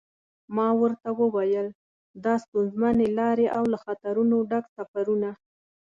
ما ورته و ویل دا ستونزمنې لارې او له خطرونو ډک سفرونه.